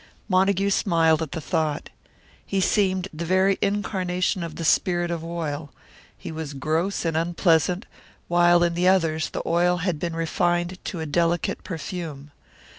Montague smiled at the thought. He seemed the very incarnation of the spirit of oil; he was gross and unpleasant, while in the others the oil had been refined to a delicate perfume.